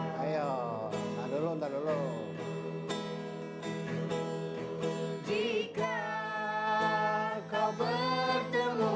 masih tidak ada yang memperkenalkan